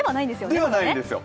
ではないんですよ。